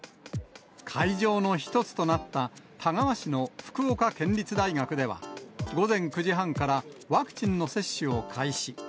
会場の１つとなった田川市の福岡県立大学では、午前９時半からワクチンの接種を開始。